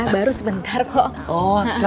boleh nambah ya